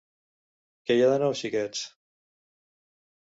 Què hi ha de nou, xiquets?